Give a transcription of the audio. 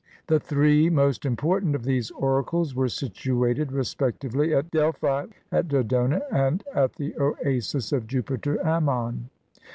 The three most important of these oracles were situated respectively at Delphi, at Dodona, and at the Oasis of Jupiter Ammon.